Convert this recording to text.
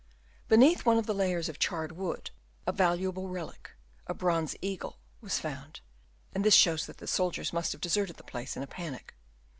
Be neath one of the layers of charred wood, a valuable relic, a bronze eagle, was found; and this shows that the soldiers must have deserted the place in a panic.